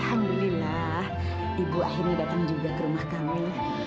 alhamdulillah ibu akhirnya datang juga ke rumah kami